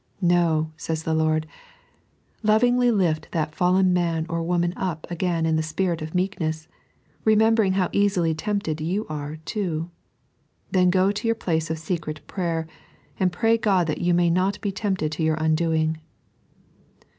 No, says the Lord; lovingly lift that fallen man or woman up again in the spirit of meekness, remem bering how easily tempted you are, too. Then go to your place of secret prayer, and pray God that you may not be tempted to your undoing.